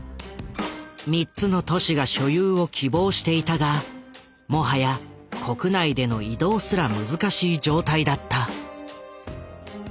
３つの都市が所有を希望していたがもはや国内での移動すら難しい状態だった。